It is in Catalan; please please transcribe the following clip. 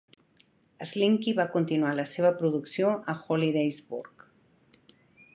Slinky va continuar la seva producció a Hollidaysburg.